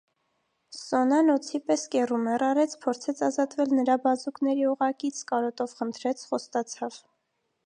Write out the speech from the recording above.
Սոնան օձի պես կեռումեռ արեց, փորձեց ազատվել նրա բազուկների օղակից, կարոտով խնդրեց, խոստացավ: